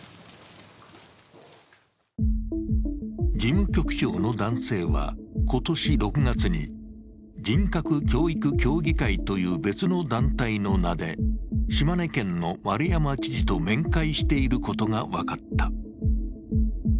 事務局長の男性は、今年６月に人格教育協議会という別の団体の名で島根県の丸山知事と面会していることが分かった。